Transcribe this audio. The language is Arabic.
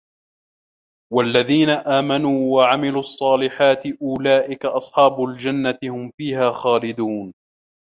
وَالَّذِينَ آمَنُوا وَعَمِلُوا الصَّالِحَاتِ أُولَٰئِكَ أَصْحَابُ الْجَنَّةِ ۖ هُمْ فِيهَا خَالِدُونَ